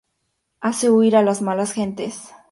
Hace huir a las malas gentes.